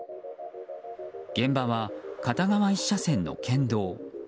現場は片側１車線の県道。